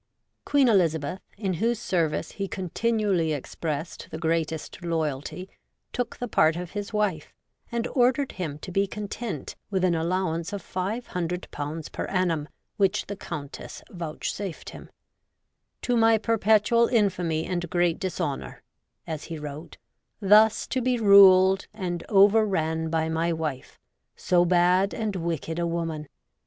Queen Elizabeth, in whose service he continually expressed the greatest loyalty, took the part of his wife, and ordered him to be content with an allowance of 500/. per annum which the Countess vouchsafed him —' to my perpetual infamy and great dishonour,' as he wrote, 'thus to be ruled and overranne by my wief, so bad and wicked a woman.